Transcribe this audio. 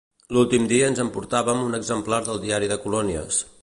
L'últim dia ens emportàvem un exemplar del diari de colònies